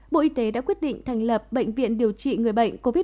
bộ y tế đã quyết định thành lập bệnh viện điều trị người bệnh covid một mươi chín